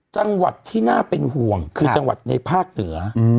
จังหวัดที่น่าเป็นห่วงคือจังหวัดในภาคเหนือ